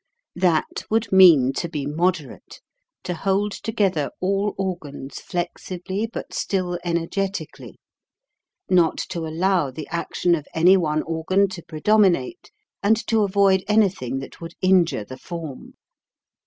That would mean to be moderate; to hold together all organs flexibly but still energetically, not to allow the action PRONUNCIATION. CONSONANTS 285 of any one organ to predominate and to avoid anything that would injure the form.